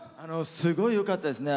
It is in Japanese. すごいよかったですね。